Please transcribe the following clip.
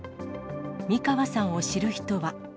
三川さんを知る人は。